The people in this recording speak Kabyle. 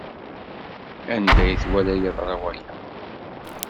Anda ay twala yeḍra waya?